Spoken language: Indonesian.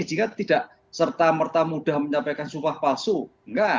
jika tidak serta merta mudah menyampaikan sumpah palsu enggak